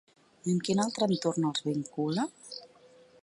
I amb quin altre entorn els vincula?